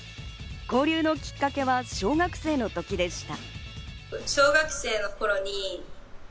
交流のきっかけは小学生の時でした。